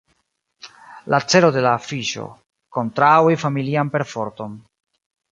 La celo de la afiŝo: kontraŭi familian perforton.